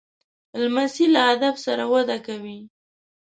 لمسی له ادب سره وده کوي.